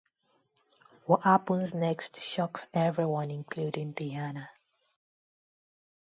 What happens next shocks everyone including Diana.